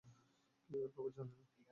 কেউ এর খবর জানে না।